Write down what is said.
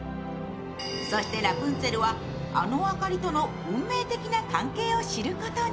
そしてラプンツェルはあの明かりとの運命的な関係を知ることに。